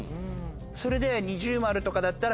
それで。